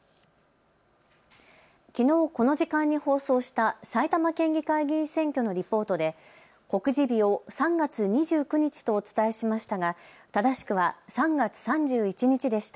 きのう、この時間に放送した埼玉県議会議員選挙のリポートで告示日を３月２９日とお伝えしましたが、正しくは３月３１日でした。